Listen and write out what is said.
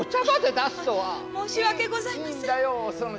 申し訳ございません。